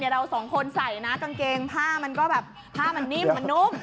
เราสองคนใส่นะกางเกงผ้ามันก็แบบผ้ามันนิ่มมันนุ่ม